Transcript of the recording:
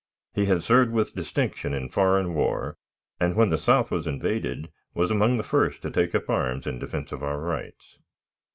He had served with distinction in foreign war, and, when the South was invaded, was among the first to take up arms in defense of our rights.